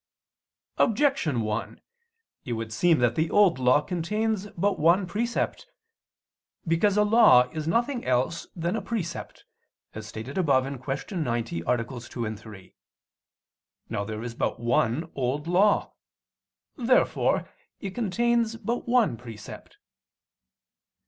Objection 1: It would seem that the Old Law contains but one precept. Because a law is nothing else than a precept, as stated above (Q. 90, AA. 2, 3). Now there is but one Old Law. Therefore it contains but one precept.